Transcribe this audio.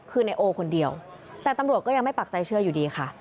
คือนายโอคนเดียวแต่ตำรวจก็ยังไม่ปักใจเชื่ออยู่ดีค่ะ